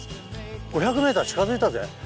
５００ｍ近づいたぜ。